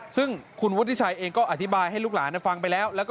ซึ่งคุณวุฒิชัยเองก็อธิบายให้ลูกหลานฟังไปแล้ว